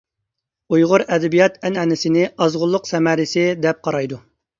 ئۇيغۇر ئەدەبىيات ئەنئەنىسىنى ئازغۇنلۇق سەمەرىسى دەپ قارايدۇ.